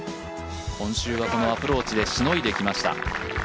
今週はこのアプローチでしのいできました。